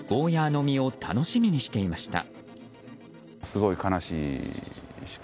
−の実を楽しみにしていました。